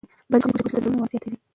بدې خبرې د زړونو واټن زیاتوي.